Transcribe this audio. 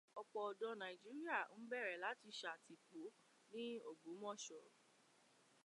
Ọ̀pọ̀ ọ̀dọ́ Nàíjíríà ń bèèrè láti ṣàtìpó ní Ògbómọ̀ṣọ́.